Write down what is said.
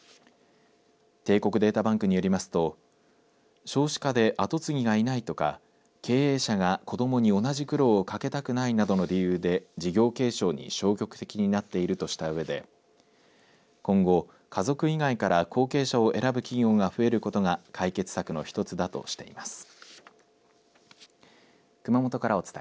帝国データバンクによりますと少子化で跡継ぎがいないとか経営者が子どもに同じ苦労をかけたくないなどの理由で事業継承に消極的になっているとしたうえで今後、家族以外から後継者を選ぶ企業が増えることが解決策の１つだとしています。